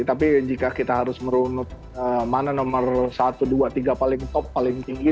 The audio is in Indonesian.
tapi jika kita harus merunut mana nomor satu dua tiga paling top paling tinggi